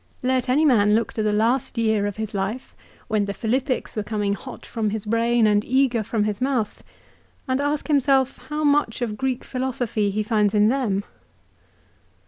Let any man look to the last year of his life, when the Philippics were coming hot from his brain and eager from his mouth, and ask himself how much of Greek philosophy he finds in them.